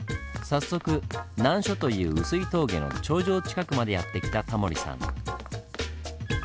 早速難所という碓氷峠の頂上近くまでやって来たタモリさん。